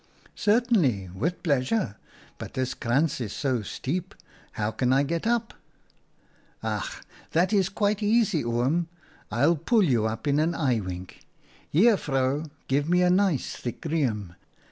' Certainly, with pleasure, but this krantz is so steep — how can I get up ?' "'Ach! that's quite easy, Oom. I'll pull you up in an eye wink. Here, vrouw, give me a nice thick riem.